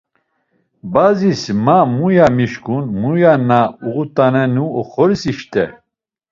Bazis ma muya mişǩun, muya na uğut̆anenu oxoris işt̆e.